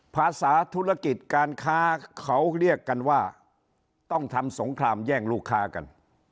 ภาษาธุรกิจการค้าเขาเรียกกันว่าต้องทำสงครามแย่งลูกค้ากัน